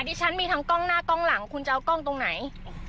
ดิฉันมีทั้งกล้องหน้ากล้องหลังคุณจะเอากล้องตรงไหน